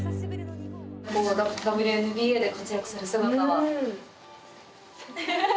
ＷＮＢＡで活躍される姿は。